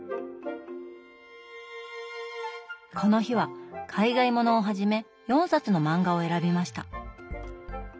この日は海外物をはじめ４冊の漫画を選びました。